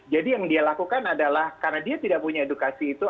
jadi yang dia lakukan adalah karena dia tidak punya edukasi itu